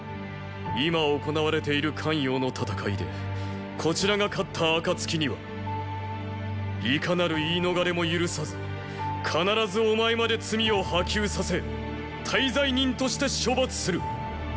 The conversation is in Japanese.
今行われている咸陽の戦いでこちらが勝った暁にはいかなる言い逃れも許さず必ずお前まで罪を波及させ大罪人として処罰する。